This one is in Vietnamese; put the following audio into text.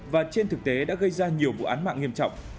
và trên thực tế đã gây ra nhiều vụ án mạng nghiêm trọng